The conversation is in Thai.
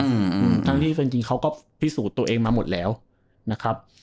อืมทั้งที่เป็นจริงจริงเขาก็พิสูจน์ตัวเองมาหมดแล้วนะครับ